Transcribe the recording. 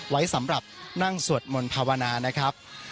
ไว้สำหรับนั่งสวดมนต์ภาวนานะครับ